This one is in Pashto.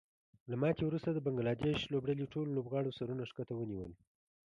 له ماتې وروسته د بنګلادیش لوبډلې ټولو لوبغاړو سرونه ښکته ونیول